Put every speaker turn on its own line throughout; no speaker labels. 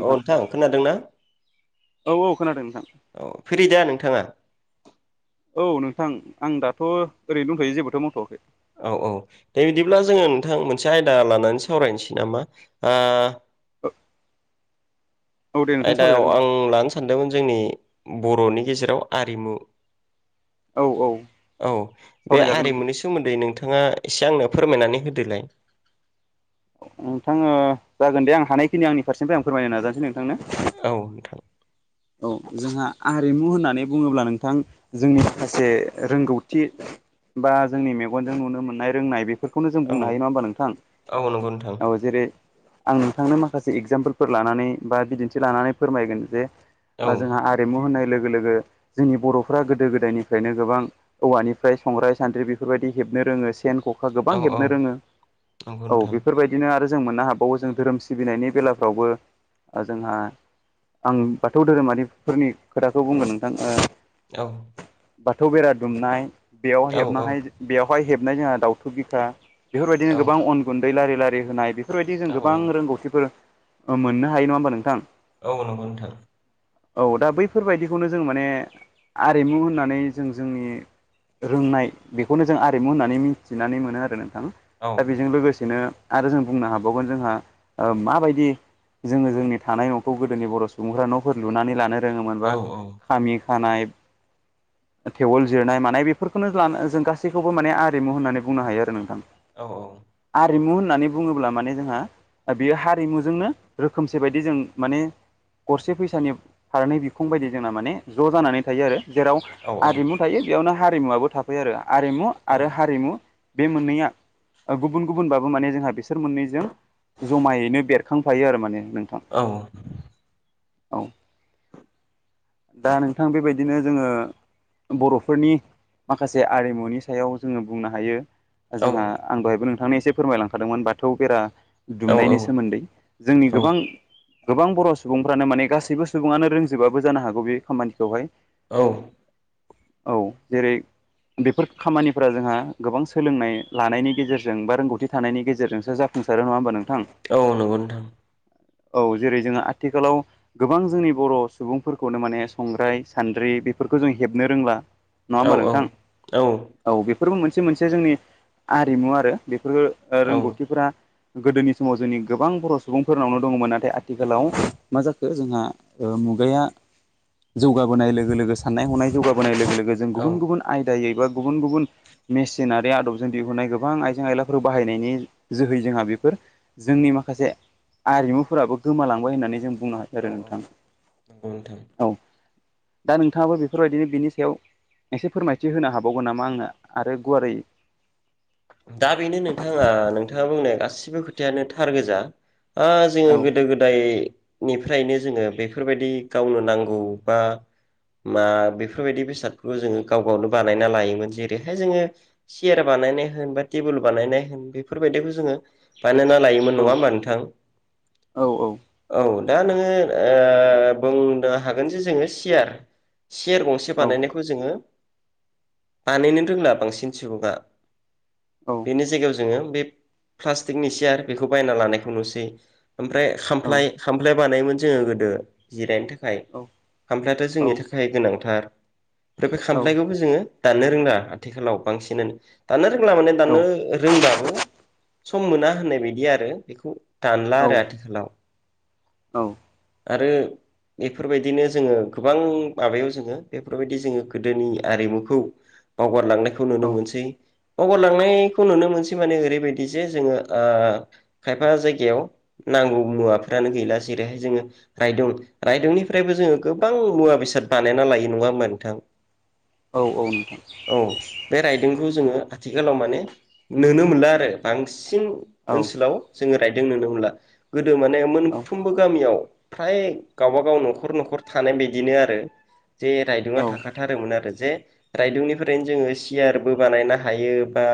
अ नोंथां खोनादों ना?
औ औ खोनादों नोंथां
औ फ्रिदा नोंथाङा?
औ नोंथां आं दाथ' ओरैनो दंथयो जेबोथ मावथवाखै।
औ औ दे बिदिब्ला जोङो नोंथां मोनसे आयदा लानानै सावरायनोसै नामा ओ
औ दे नोंथां
आयदायाव
सावरायजागोन दे
आं लानो सानदोंमोन जोंनि बरनि गेजेराव आरिमु
औ औ
औ बे
सावरायजागोन नोंथां
आरिमुनि सोमोन्दै नोंथां नोंथाङा एसे आंनो फोरमायनानै होदोलाय ।
नोंथाङो जागोन दे आं हानायखिनि आंनि फारसेनिफ्राय आं फोरमायनो नाजानोसै नोंथांनो।
औ नोंथां
औ जोंहा आरिमु होननानै बुङोब्ला नोंथां जोंनि माखासे रोंगौथि बा जोंनि मेगनजों नुनो मोननाय रोंनाय बेखौ। बेखौनो जों
औ
बुंनो हायो नङा होमबा नोंथां
नंगौ नोंथां
।औ जेरै आं नोंथांनो माखासे एगजामपोलफोर लानानै बा बिदिन्थि लानानै फोरमायगोन जे
औ
जोंहा आरिमु होननाय लोगो लोगो लोगो जोंनि बर'फ्रा गोदो गोदायनिफ्रायनो गोबां औवानिफ्राय संग्राय सान्द्रि बेफोरबायदि हेबनो सेन खखा गोबां
औ औ
हेबनो रोङो
नंगौ
औ
नोंथां
बेफोरबायदिनो आरो जों मोननो हावो जों धोरोम सिबिनायनि बेलाफ्रावबो जोंहा आं बाथौ धोरोमारिफोरनि खोथाखौ बुंगोन नोंथां।
औ।
बाथौ बेरा दुमनाय बेयाव
औ
हेबनानैहाय बेवहाय हेबनाय जोंहा दाावथु बिखा।
औ
बेफोरबायदिनो गोबां अन गुन्दै लारि लारि होनाय बेफोरबायदि जों
औ
गोबां रोंगौथिफोर ह मोननो हायो नङा होमबा नोंथां?
औ नंगौ नोथां।
औ दा बैफोरबायदिखौनो जों माने आरिमु होननानै जों जोंनि। रोंनाय बेखौनो जों आरिमु होननानै मिथिनानै मोनो आरो नोंथां
औ
दा बेजों लोगोसेनो आरो जों बुंनो हाबावगोन जोंहा ओ माबायदि जोङो जोंनि थानाय नखौ गोदोनि बर सुबुंफोरा नफोर लुनानै लानो रोङोमोन
औ
बा
औ
खामि थानाय। थेवल जिरनाय मानाय बेफोरखौनो लानो जों गासैखौबो माने आरिमु होननानै बुंनो हायो आरो नोंथां
औ औ।
हारिमु होननानै बुङोब्ला माने जोंहा बेयो हारिमुजोंनो रोखोमसे बायदि जों माने गरसे फैस सा फारनै बिखां बायदि जोंना माने ज जानानै थायो आरो जेराव
औ
आरिमु थायो बेयावनो हा- रिमुवआबो थाफैयो आरो आरिमु
औ
आरो हारिमु बे मोननैया गुबुन गुबुनबाबो माने जोंहा बिसोर मोननैजों जमायैनो बेरखांफायो आरो माने नोंथां
औ
औ दा नोंथां बेबायदिनो जोङो बरफोरनि माखासे आरिमुनि सायाव जोङो बुंनो हायो जोंहा
औ
आं दहायबो नोंथांनो एसे फोरमायलांखादोंमोन बाथौ बेरा
औ
दुमनायनि सोमोन्दै जोंनि
औ
गोबां गोबां बर सुबुंफ्रानो माने गासैबो सुबुङानो रोंजोबाबो जानो हागौ बे खामानिखौहाय
औ
औ जेरै बेफोर खामानिफोरा जोंहा गोबां सोलोंनाय लानायनि गेजेरजों बा रोंगौथि थानायनि गेजेरजोंसो जाफुं सारो नङा होनबा नों-
औ नंगौ नोंथां
औ जेरै जोङो आथिखालाव गोबां जोंनि बर सुबुंफोरखौनो माने संग्राय सान्द्रि बेफोरखौ जों हेबनो रोंला नङा
औ
होमबा नोंथां औ बे फोरबो मोनसे मोनसे जोंनि आरिमु आरो बेफोरो
औ
रोंगौथिफोरा गोदोनि समाव जोंनि गोबां बर सुबुंफोरनावनो दङमोन नाथाय आथिखालाव मा जाख खो जोंहा मुगाया जौगाबोनाय लोगो लोगो साननाय हनाय जौगाबोनाय लोगो लो गो जों गुबुन
औ
गुबुन आयदायै बा गुबुन गुबुन मेसिनारि आदबजों दिहुननाय गोबां आइजें आयलाफोर बाहायनायनि जोहै जोंहा बे जोंनि माखासे आरिमुफोराबो गोमालांबाय होननानै जों बुं
औ औ नंगौ नोंथां
औ दा नोंथाङाबो बेफोरबायदिनो बिनि सायाव एसे फोरमायथि होनो हाबावगोन नामा आंनो आरो गुवारै
दा बेनो नोंथाङा नोंथाङा बुंनाय गासिबो खोथायानो थार गोजा ओ
औ
जोङो गोदो गोदाय निफ्रायनो जोङो बेफोरबायदि गावनो नांगौ बा मा बेफोरबायदि बेसादखौ जोङो गाव गावनो बानायना लायोमोन जेरैहाय जोङो सियार बानायनाय बा थेबोल बानायनाय होन बेफोरबायायदिखौ जोङो बानोना लायोमोन
औ
नङा होमबा नोंथां
औ औ
औ दा नोङो ओ बुंनो हागोन जे जोङो सियार सेरयार गंसे
औ
बानायनायखौ जोङो बानायनो रोंला बांसिन सुबुङा
औ
बेनि जायगायाव जोङो बे प्लास्टिकनि चियार बेखौ बायना लानायखौ नुसै ओमफ्राय
औ
खामफ्लाय खामफ्लाय बानायोमोन जोङो गोदो जिरायनो थाखा थाखाय खामफ्लायाथ'
औ
जोंनि थाखाय गोनांथार ओमफ्राय बे खामफ्लायखौबो जोङो दाननो रोंला आथिखालाव बांसिनानो दानोनो रों ला माने दानो
औ
रोंबाबो सम मोना होननाय बायदि आरो बेखौ दानला आरो आथिखालाव
औ
आरो एफोरबायदिनो जोङो गोबां माबायाव जोङो बेफोरबायदि जोङो गोदोनि आरिमुखौ बावगारलांनायखौ
औ
नुनो मोनसै बावरलांनायखौ नुनो मोनसै माने ओरैबायदि जे जोङो ओ खायफा जायगायाव नांगौ मुवाफ्रानो गैला जेरैहाय जोङो रायदं रायदंनिफ्रायबो जोङो गोबां मुवा बेसाद सार्ट बानायना लायो नङामोन नोंथां
औ औ नोंथां
जो आथिखालाव मा नुनो मोनला आरो बांसिन
औ
ओनसोलाव जोङो राय दों नुनो मोनला गोदो माने
औ
मोनफ्रोमबो गामियाव फ्राय गावबागाव न'खर न'खर थानाय बेदिनो आरो जे रायदोङा
औ
थाखाथारोमोन आरो जे रायदोंनिफ्रायनो जोङो सियारबो बानायनो हा हायो बा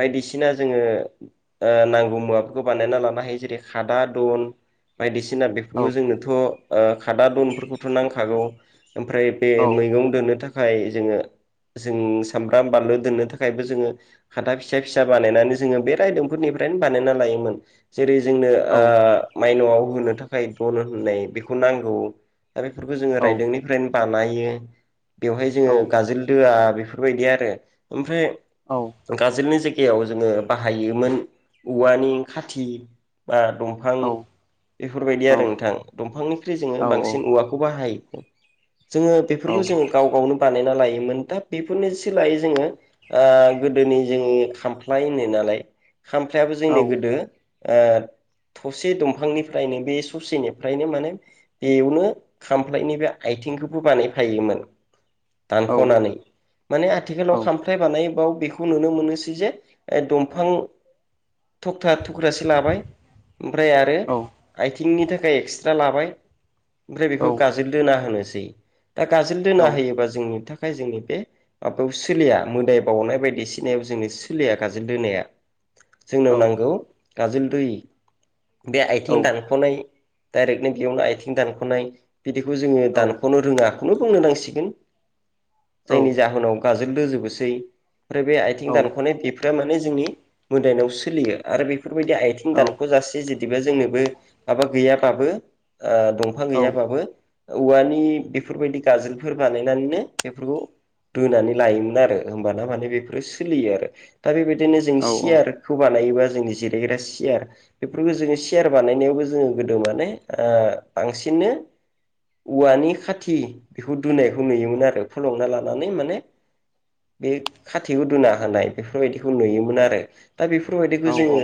बायदिसिना जोङो ओ नांगौ मुवाफोरखौ बानायना लानो हायो जेरै खादा दन बायदिसिना बेफोरखौ
औ
जोंनोथ' ओ खादा दनफोरखौथ' नांखागौ ओमफ्राय बे मैगं दोननो थाखाय जोङो जों सामब्राम बानलु दोननो थाखा थाखायबो जोङो खाथा फिसा फिसा बानायनानै जोङो बे रायदों म्फोरनिफ्रायनो बानायना लायोमोन जेरै जोंनो
औ
ओ मायनआव होनो थाखाय दन होननाय बेखौ नांगौ दा बेफोरखौ जोङो
औ
रायदोंनिफ्रायनो बानायो बेवहाय जोङो
औ
गाजोलदोआ बेफोरबायदि आरो ओमफ्राय
औ
गाजोलनि जायगायाव गायाव जोङो बाहायोमोन औवानि खाथि बा दंफां बेफोरबायदि आरो नोंथां दंफांनिख्रुइ जोङो बांसिन मुवाखौ बाहायो जोङो बेफोरखौ जोङो गाव गावनो बानायना लायोमोन दा बेफोरनिसोलायै जोङो गोदोनि जोङो खामफ्लाय होनो नालाय खामफ्लायाबो जोंनि गोदो ओ थसे दंफांनिफ्रायनो बे ससेनिफ्रायनो माने बेयावनो खामफ्लायनि बे आइ बिथिंखौबो बानायफायोमोन।
[inaudible]
दानख'नानै माने आथिखालाव खाम नायबाव बेखौ नुनो मोनोसै जे दंफां थबथा थुख्रासो लाबाय ओमफ्राय आरो आथिंनि थाखाय एक्सट्रा लाबाय ओमफ्राय बेखौ गाजोल दोना होनोसै दा गाज्रि दोना होयोबा जोंनि थाख खाय जोंनि बे माबायाव सोलिया। मोदाय बावनाय बायदिसिनायाव जोंनो सोलिया गाजोल दोनाया जोंनाव नांगौ गाजोलदु बे आथिं दानख'नाय डाइरेक्टनि बेयावनो आथिं दानख'नाय बिदिखौ जोङो दानख'नो रोङा खौनो बुंनो नांसिगोन। जायनि जाहोनाव गाजोलदो जोबोसै ओमफ्राय बे आथिं दानख'नाय दैफ माने जोंनि मोदायनायाव सोलियो आरो बेफ बेफोरबायदि आथिं दानखौ जासे जुदिबा जोंनोबो माबा गैयाबाबो दंफां गैयाबाबो औवानि बेफोरबायदि गाजोलफोर बानायनानैनो बेफोरखौ दोनानै लायोमोन आरो। होबाना माने बेफोर सोलियो आरो दा बेबायदिनो जों सियारखौ बानायोबा जोंनि जिरायग्रा सियार बेफोरखौ जोङो सियार बानायनायावबो जोङो गोदो माने ओ बांसि यैनो औवानि खाथि बेखौ दुनायखौ नुयोमोन आरो फोलौना लानानै माने बे खाथि उदुना होनाय बेफोरबायदिखौ नुयोमोन आरो। दा
औ
बेफोरबायदिखौ जोङो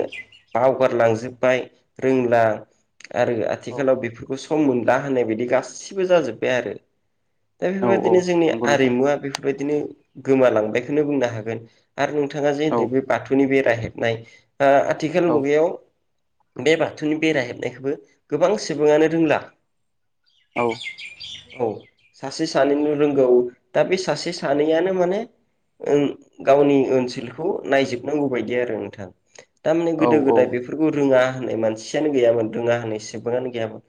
बावगारलांजोब्बाय रोंला आरो आथिखालाव बेफोरखौ सम मोनला होनाय बायदि गाससिबो जाजोब्बाय आरो। दा
औ औ
बेफोरबायदिनो जोंनि
नंगौ नोंथां
आरिमुवा बेफोरबायदिनो गोमालांबायखौनो बुंनो हागोन। आरो नोंथाङा जे
औ
होनथै बे बाथौनि बेरा हेबनाय
औ
आथिखाल मुगायाव बे बाथौनि बेरा हेबनायखौबो गोबां सुबुङानो रोंला।
औ।
औ सासे सानैल रोंगौ दा बे सासे सानैयानो माने गावनि ओनसोलखौ नायजोबनांगौ बायदि आरो नोंथां। थारमाने
औ
गोदो गोदाय बेफोरखौ रोङा होननाय मानसियानो गैयामोन रोङा होननाय सिबाङानो गैयामोन।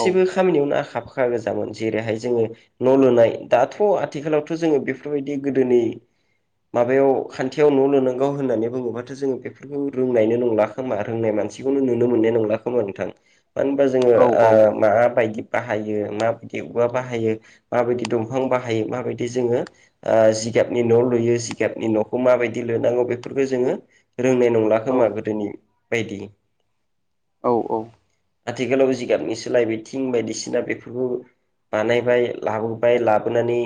औ
खामानियावनो आखाब फाखा गोजामोन जेरैहाय जोङो न' लुनाय दाथ' आथिखालावथ' जोंङो बे बेफोरबायदि गोदोनि माबायाव खान्थियाव न' लुनांगौ होननानै बुङोबाथ' जोङो बेफोरखौ रोंनायनो नंला खोमा रोंनाय मान मानसिखौनो नुनो मोननाय नंला खोमा नोंथां मानो होनबा जोङो
औ
माबा बायदि बाहायो माबायदि औवा बाहायो माबायदि दंफां बाहायो माबायदि जोङो जिगाबनि न' लुयो जिगाबनि न'खौ माबायदि लोनांगौ बेफोरखौ जोङो रोंनाय नंला
औ
खोमा गोदोनि बायदि।
औ
आथिखालाव जिगाबनि सोलाय बि थिं बायदिसिना बेफोरखौ बानायबाय लाबोबाय लाबोनानै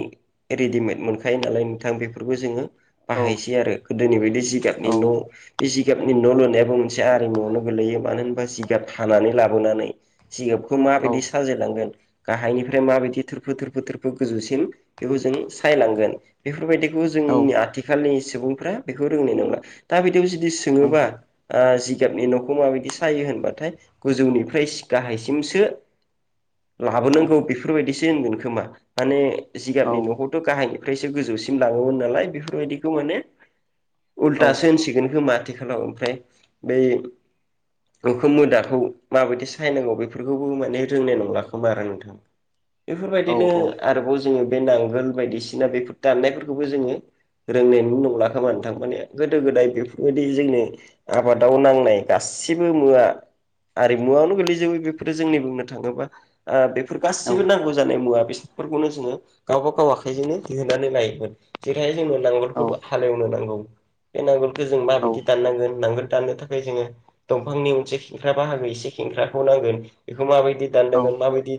रेडिमेद मोनख खायो नालाय नोंथां बेफोरखौ जोङो बाहायसै आरो गोदोनि बायदि जिगारनि न' बे जिगाबनि न' लुनायाबो मोनसे आरिमुआवनो गोगलैयो मानो होनबा जिगाब थानानै लाबोनानै सिगाबखौ माबायदि साजायलांगोन। गाहायनिफ्राय माबायदि थोरफो थोरफो थोरफो गोजौसिम बेखौ जों सायलांगोन बेफोरबायदि बो जोंनि आथिखालनि सुबुंफ्रा बेखौ रोंनाय नंला दा बिदियाव जुदि सोङोबा जिगाबनि न'खौ माबायदि सायो होनबाथाय गोजौनिफ्राय गाहायसिमसो लाबोनांगौ बेफोरबायदिसो होनगोन खोमा माने जिगाबनि न'खौथ' गाहायनिफ्रायसो गोजौसिम लाङोमोन नालाय बेफोरबायदिखौ माने उल्थासो होनसिगोनखौ मथिखालाव ओमफ्राय बै उखुम मुदाखौ माबायदि साहायनांगौ बेफोरखौबो माने रोंनाय नंला खोमा आरो नोंथां।
[inaudible]
बेफोरबायदिनो आरोबाव जोङो बे नांगोल बायदिसिना बेफोर दाननायफोरखौबो जोङो रोंनायनो नंला खोमाों थांमाने गोदो गोदाय बेफोरबायदि जोंनो आबादाव नांनाय गासैबो गासिबो मुवा आरिमुवायावनो गोगलैजोबो बेफोरो जोंनि बुंनो थाङोबा बेफोर गासिबो नांगौ जानाय मुवा बिसोर बेफोरखौनो जोङो गावबा गाव आखाइजोंनो दिहुनानै लायोमोन जेरैहाय जोंनो
औ
नांगोलफोरखौबो हालेवनो नांगौ बे नांगोलखौ जों माबायदि दाननांगोन नांगोल दाननो थाखाय जोङो दंफांनि उनसे खेंख्रा बाहागो एसे खेंख्राखौ नांगोन बेखौ मायदि माबादि दान्नांगोन, माबादि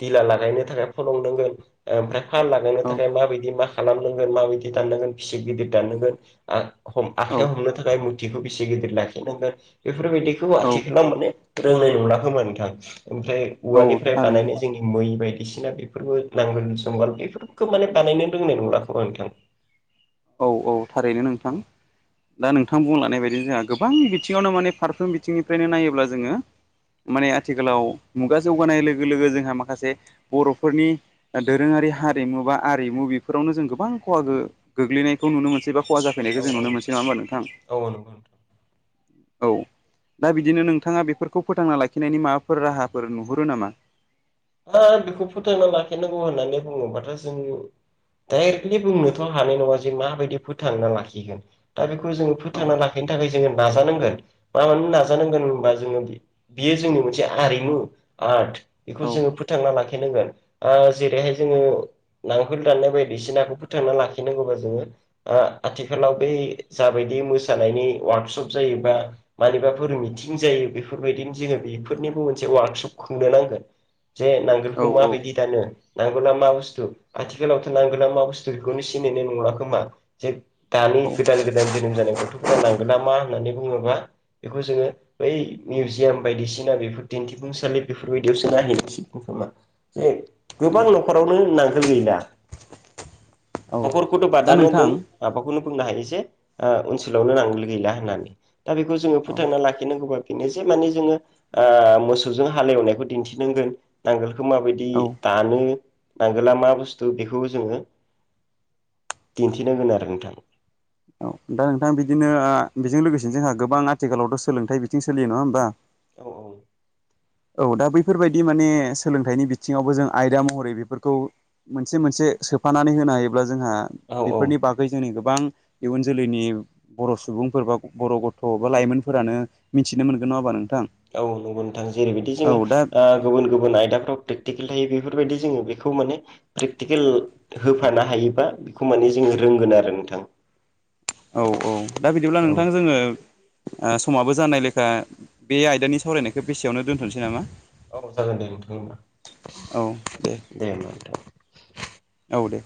दिला लागायनो थाखाय फलंनांगोन, आमफ्राय फाल लागायनो
औ
माबायदि मा खालामनांगोन, माबायदि दाननांगोन, फिसिर गिदिर दाननांगोन आ खाइयाव हमनो थाखाय मुरथिखौ बेसे गिदिर लाखिनांगोन बेफोरबायदिखौ आथिखलाव माने रोंनाय नुला खोमा नोंथां ओमफ्राय
औ
औवानिफ्राय
थारैनो
बानायनाय जोंनि मै बायदि बिसिना बेफोरबो नांगोल जुंगाल बेफोरखौ माने बानायनो रोंनाय नंला खोमा नोंथां।
औ औ थारैनो नोंथां
औ
दा नोंथां बुंलांनाय बायदि जोंहा गोबां बिथिङावनो माने फारफ्रोम बिथिंनिफ्रायनो नायोब्ला जोङो माने आथिखालाव मुगा जौगानाय लोगो लोगो जोंहा माखासे बर'फोरनि दोरोङारि हारिमु बा आरिमु बेफोरावनो जों गोबां खहा गो ग्लैनायखौ नुनो मोनसै बा खहा जाफैनायखौ
औ
जों नुनो मोनसै
औ
नङा होमबा नोंथां?
औ नंगौ
औ। दा बिदिनो नोंथाङा बेफोरखौ फोथांना लाखिनायनि माबाफोर राहाफोर नुहुरो नामा?
हा बेखौ फोथांना लाखिनांगौ होननानै बुङोबाथ' जों डाइरेक्टलि बुंनोथ' हानाय नङा जे माबायदि फोथांना लाखिगोन दा बेखौ जोङो
औ
फोथांना लाखिनो थाखाय जोङो नाजानांगोन। मा मानो नाजानांगोन होनबा जोङो बेयो जोंनि मोनसे आरिमु आर्ट। बेखौ
औ
जोङो फोथांना लाखिनांगोन जेरैहाय जोङो नांगोल दाननाय बायदिसिनाखौ फोथांना लाखिनांगौबा जोङो आथिखालाव बे जाबायदि मोसानायनि वार्कशप जायो बा मानिबाफोर मिथिं जायो बेफोरबायदिनो जोङो बेफोरनिबो मोनसे वार्कशप खुंनो नांगोन। जे नांगोलखौ
औ औ
माबायदि दानो, नांगोला मा बुस्थु आथिखालावथ' नांगोला मा बुस्थु बेखौनो सिनायनाय नङ खोमा जे दानि
औ
गोदान गोदान जोनोम जानाय गथ'फोरा नांगोला मा होननानै बुङोबा बेखौ जोङो बै मिउजियाम बायदिसिना बेफोर दिन्थिफुंसालि बेफोरबायदियावसो नायहैनो जे
औ
गोबां न'खरावनो नांगोल गैला।
औ
न'खरखौथ'
दा
बारदानो
नोंथां
दोन माबाखौनो बुंनो हायो जे ओनसोलावनो नांगोल गैला होननानै दा बेखौ जोङो
औ
फोथांना लाखिनांगौबा बि नो जे माने जोङो मोसौजों हालेवनायखौ दिन्थिनांगोन नांगोल खौ माबायदि
औ
दानो नांगोला मा बुस्थु बेखौ जोङो दिन्थिनांगोन आरो नोंथां।
औ दा नोंथां बिदिनो बेजों लोगोसेनो जोंहा गोबां आथिखालावथ' सोलोंथाइ बिथिं सोलियो नङा होमबा
औ औ।
औ दा बैफोरबायदि माने सोलोंथाइनि बिथिङावबो जों आयदा महरै बेफोरखौ मोनसे मोनसे सो फानानै होनो हायोब्ला जोंहा
औ
बेफोरनि बागै जोंनि गोबां इयुन जोलैनि बर' सुबुंफोर बा बर' गथ' बा लाइमोनफोरानो मिथिनो मोनगोन नङाहोमबा नोंथां?
औ नंगौ नोंथां जेरैबायदि
औ दा
जोङो गुबुन गुबुन आयदाफ्राव प्रेकटिकेल थायो बेफोर बेफोरबायदि जोङो बेखौ माने प्रेकटिकेल होफानो हायोबा बेखौ माने जोङो रोंगोन आरो नोंथां।
औ औ दा बिदिब्ला
औ
नोंथां जोङो समाबो जानाय लेखा बे आयदानि सावरायनायखौ बेसेयावनो दोनथ'नोसै नामा?
औ जागोन दे नोंथां होनबा दे होनोमबा नोंथां।
औ दे